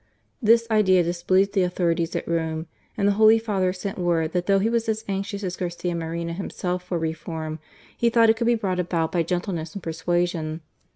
This idea displeased the authorities at Rome, and the Holy Father sent word that though he was as anxious as Garcia Moreno himself for reform, he thought it could be brought about by gentleness and persuasion.